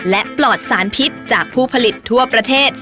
และปลอดสารพิษจากผู้ผลิตทั่วประเทศ